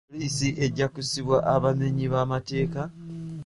Poliisi ejja kusiba abamenyi b'amateeka .